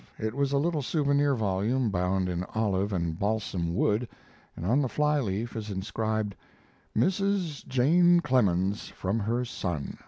It was a little souvenir volume bound in olive and balsam wood, and on the fly leaf is inscribed: Mrs. Jane Clemens from her son.